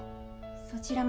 そちらも。